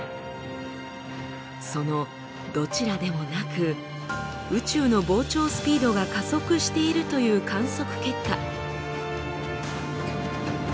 そのどちらでもなく宇宙の膨張スピードが加速しているという観測結果。